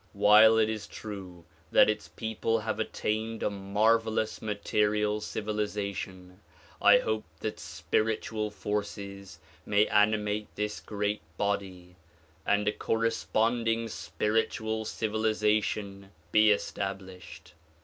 While it is true that its people have attained a marvelous material civiliza tion, I hope that spiritual forces may animate this great body and a corresponding spiritual civilization be established.